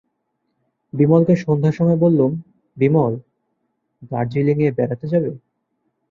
বিমলকে সন্ধ্যার সময় বললুম, বিমল, দার্জিলিঙে বেড়াতে যাবে?